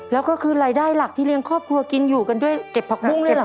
แล้วก็คือรายได้หลักที่เลี้ยงครอบครัวกินอยู่กันด้วยเก็บผักบุ้งด้วยเหรอ